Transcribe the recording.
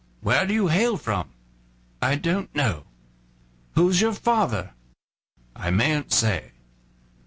"Where do you hail from?" "I don't know." "Who's your father?" "I mayn't say."